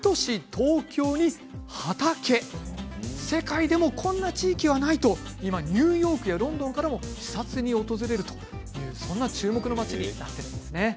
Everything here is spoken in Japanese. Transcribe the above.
ＴＯＫＹＯに畑世界でもこんな地域はないと今、ニューヨークやロンドンからも視察に訪れるそんな注目の街になっているんですね。